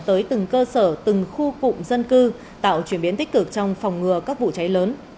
tới từng cơ sở từng khu cụm dân cư tạo chuyển biến tích cực trong phòng ngừa các vụ cháy lớn